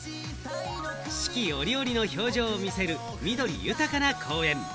四季折々の表情を見せる緑豊かな公園。